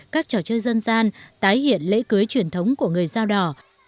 các trò chơi dân gian tái hiện lễ cưới truyền thống của người dao đỏ